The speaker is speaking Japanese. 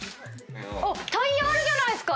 タイヤあるじゃないっすか！